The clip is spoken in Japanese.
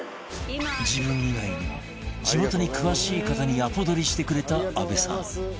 自分以外にも地元に詳しい方にアポ取りしてくれた安部さん